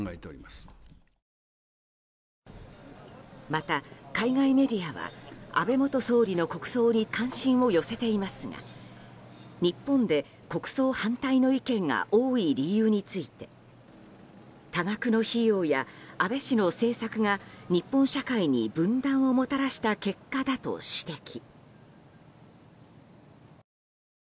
また、海外メディアは安倍元総理の国葬に関心を寄せていますが日本で国葬反対の意見が多い理由について多額の費用や安倍氏の政策が日本社会に分断をもたらした結果だと指摘。